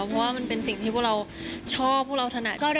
เพราะว่ามันเป็นสิ่งที่พวกเราชอบพวกเราถนัด